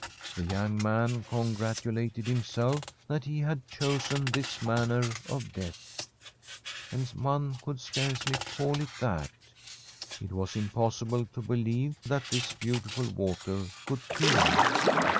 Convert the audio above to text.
The young man congratulated himself that he had chosen this manner of death. And one could scarcely call it that ; it was impossible to believe that this beautiful water could kill.